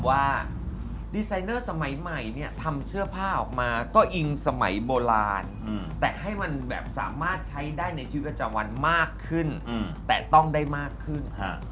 ว่าดีไซเนอร์สมัยใหม่เนี่ยทำเสื้อผ้าออกมาก็อิงสมัยโบราณแต่ให้มันแบบสามารถใช้ได้ในชีวิตประจำวันมากขึ้นแต่ต้องได้มากขึ้น